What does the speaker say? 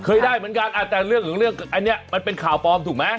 เคยได้เหมือนกันแต่เรื่องอันนี้มันเป็นข่าวปลอมถูกไหม